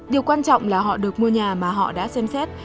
điều quan trọng là họ được mua nhà mà họ đã xem xét